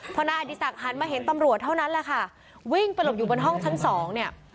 พอนายอดีศักดิหันมาเห็นตำรวจเท่านั้นแหละค่ะวิ่งไปหลบอยู่บนห้องชั้นสองเนี่ย